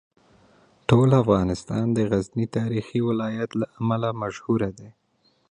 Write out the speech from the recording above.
ټول افغانستان د غزني د تاریخي ولایت له امله مشهور دی.